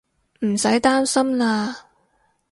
唔使擔心喇